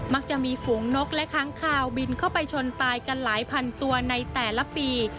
จะมีฝูงนกและค้างคาวบินเข้าไปชนตายกันหลายพันตัวในแต่ละปี